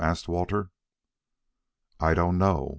asked Walter. "I don't know.